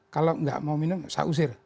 kalau nggak mau minum saya usir